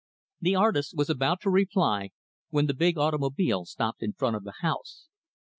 The artist was about to reply, when the big automobile stopped in front of the house.